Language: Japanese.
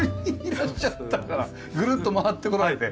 ぐるっと回ってこられて。